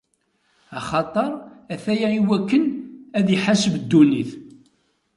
Axaṭer ataya iwakken ad iḥaseb ddunit.